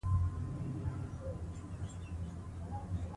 زه د سهار له وخته د کورنۍ لپاره چای جوړوم